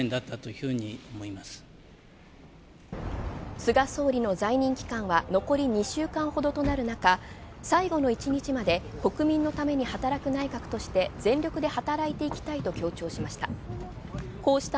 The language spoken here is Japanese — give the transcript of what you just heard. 菅総理の在任期間は残り２週間ほどとなる中、最後の１日まで国民のために働く内閣として全力で働いていきたいと強調しました。